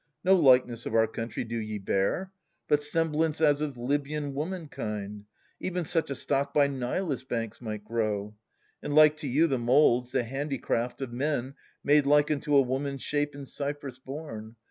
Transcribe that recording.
No likeness of our country do ye bear. But semblance as of Libyan womankind. Even such a stock by Nilus' banks might grow ; And like to you the moulds, the handicraft Of men, made like unto a woman's shape In Cyprus born.